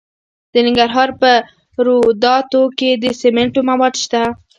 د ننګرهار په روداتو کې د سمنټو مواد شته.